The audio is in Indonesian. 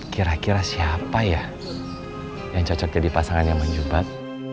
kira kira siapa ya yang cocok jadi pasangannya mang jubat